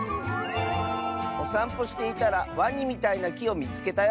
「おさんぽしていたらワニみたいなきをみつけたよ」。